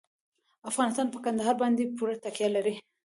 افغانستان په کندهار باندې پوره تکیه لري.